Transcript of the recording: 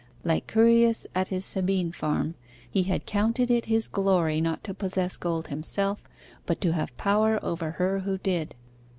Like Curius at his Sabine farm, he had counted it his glory not to possess gold himself, but to have power over her who did.